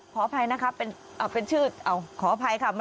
ขอโทษนะครับเอ่อเป็นชื่อเอ่อขออภัยค่ะ